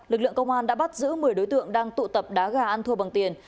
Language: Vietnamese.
lực lượng công an đã bắt giữ một mươi đối tượng đang tụ tập đá gà ăn thua bằng tiền